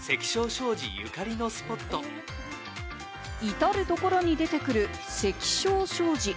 至るところに出てくる関彰商事。